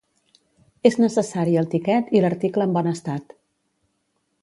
És necessari el tiquet i l'article en bon estat